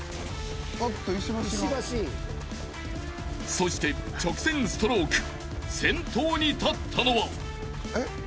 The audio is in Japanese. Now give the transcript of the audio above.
［そして直線ストローク先頭に立ったのは］